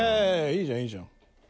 いいじゃんいいじゃん。